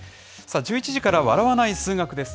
１１時からは笑わない数学です。